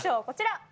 こちら。